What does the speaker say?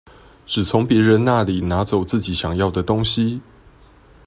只從別人那裡拿走自己想要的東西